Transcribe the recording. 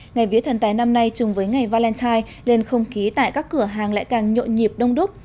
ngày vía thần tài năm nay chung với ngày valentine lên không khí tại các cửa hàng lại càng nhộn nhịp đông đúc